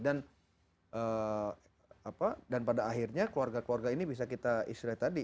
dan pada akhirnya keluarga keluarga ini bisa kita istirahat tadi